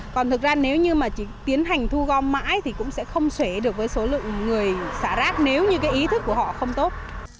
còn thực ra nếu như mà tiến hành thu gom mãi thì cũng sẽ không xể được với số lượng người xả rác nếu như cái ý thức của họ không tốt